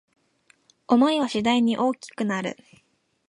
想いは次第に大きくなる